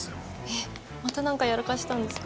えっまたなんかやらかしたんですか？